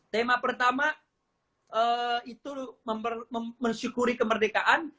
tema pertama itu mensyukuri kemerdekaan